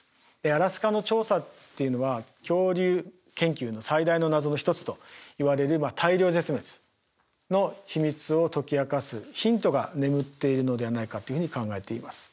アラスカの調査っていうのは恐竜研究の最大の謎の一つといわれる大量絶滅の秘密を解き明かすヒントが眠っているのではないかというふうに考えています。